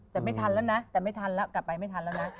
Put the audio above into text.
แต่ไม่ทันแล้วนะแต่ไม่ทันแล้วกลับไปไม่ทันแล้วนะ